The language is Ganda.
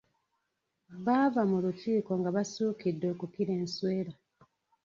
Baava mu lukiiko nga basuukidde okukira enswera.